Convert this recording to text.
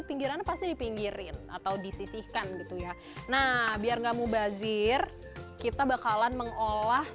pinggiran pasti dipinggirin atau disisihkan gitu ya nah biar enggak mubazir kita bakalan mengolah